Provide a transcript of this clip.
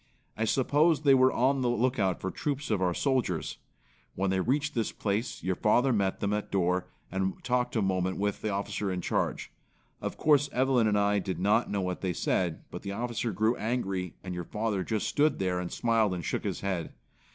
I suppose they were on the lookout for troops of our soldiers. When they reached this place, your father met them at door and talked a moment with the officer in charge. Of course Evelyn and I did not know what they said, but the officer grew angry and your father just stood there and smiled and shook his head.